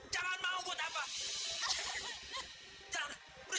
janganlah kau mencimalah dia